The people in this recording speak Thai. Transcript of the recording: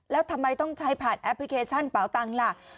แล้วทำไมต้องใช้ผ่านแอปพลิเคชันเป่าตังค์ล่ะ